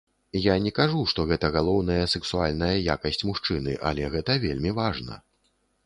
Я не кажу, што гэта галоўная сэксуальная якасць мужчыны, але гэта вельмі важна.